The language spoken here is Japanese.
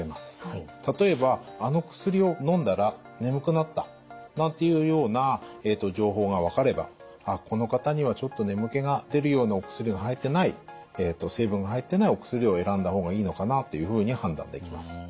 例えば「あの薬をのんだら眠くなった」なんていうような情報が分かれば「この方にはちょっと眠気が出るようなお薬が入ってない成分が入ってないお薬を選んだ方がいいのかな」というふうに判断できます。